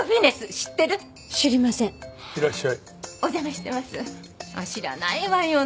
知らないわよね。